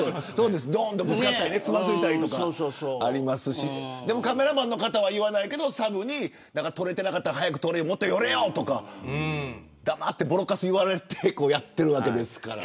ぶつかったりつまずいたりありますしでもカメラマンの方は言わないけれどサブに撮れていなかったら撮れよもっと寄れよとか黙って、ぼろかす言われてやっているわけですから。